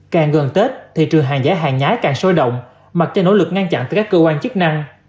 càng gần tết thị trường hàng giả hàng nhái càng sôi động mặc cho nỗ lực ngăn chặn từ các cơ quan chức năng